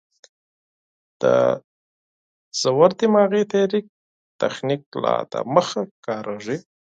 د ژور دماغي تحريک تخنیک لا دمخه کارېږي.